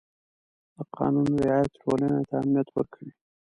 د قانون رعایت ټولنې ته امنیت ورکوي.